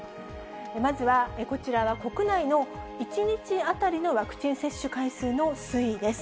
まずはこちらは、国内の１日当たりのワクチン接種回数の推移です。